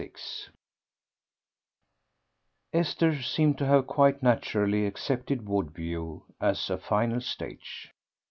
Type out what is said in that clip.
XLVI Esther seemed to have quite naturally accepted Woodview as a final stage.